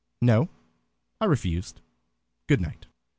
"No, I refused. Good night."